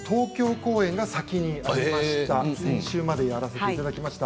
今、東京公演が先週までやらせていただきました。